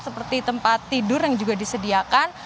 seperti tempat tidur yang juga disediakan